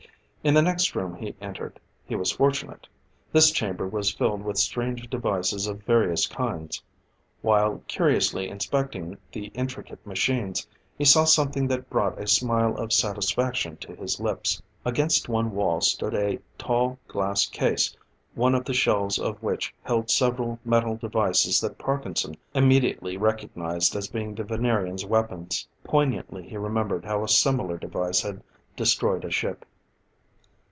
In the next room he entered, he was fortunate. This chamber was filled with strange devices of various kinds. While curiously inspecting the intricate machines, he saw something that brought a smile of satisfaction to his lips. Against one wall stood a tall, glass case, one of the shelves of which held several metal devices that Parkinson immediately recognized as being the Venerians' weapons. Poignantly he remembered how a similar device had destroyed a ship.